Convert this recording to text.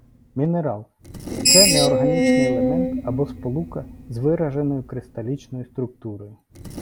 Мінерал - це неорганічний елемент, або сполука з вираженою кристалічною структурою